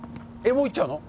もう行っちゃうの？